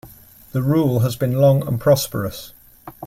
The rule has been long and prosperous.